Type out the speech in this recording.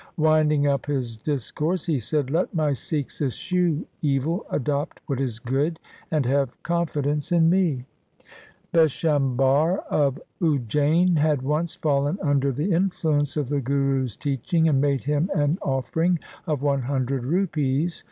Winding up his discourse he said, ' Let my Sikhs eschew evil, adopt what is good, and have confidence in me.' Bishambhar of Ujjain had once fallen under the influence of the Guru's teach ng and made him an offering of one hundred rupees.